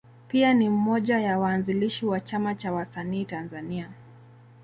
Pia ni mmoja ya waanzilishi wa Chama cha Wasanii Tanzania.